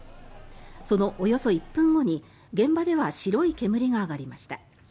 そのおよそ１分後に現場では白い煙が上がりました。